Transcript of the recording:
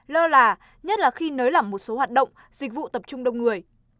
lơ là nhất là khi nới lỏng một số hoạt động dịch vụ tập trung đông người